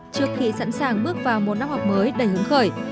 trước khi sẵn sàng bước vào một năm học mới đầy hứng khởi